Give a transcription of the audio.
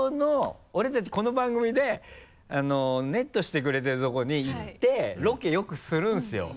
俺たちこの番組でネットしてくれてるとこに行ってロケよくするんですよ。